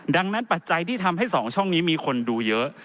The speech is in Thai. ดังนั้นปัจจัยที่ทำให้๒ช่องนี้มีคนดูเยอะ